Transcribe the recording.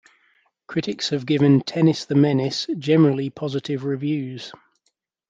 Critics have given "Tennis the Menace" generally positive reviews.